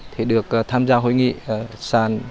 thì được tham gia hội nghị sản